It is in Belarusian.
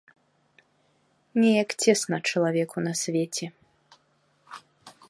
Неяк цесна чалавеку на свеце.